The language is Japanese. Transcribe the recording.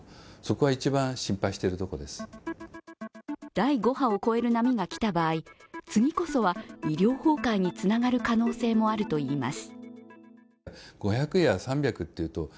第５波を超える波が来た場合次こそは医療崩壊につながる可能性もあるといいます。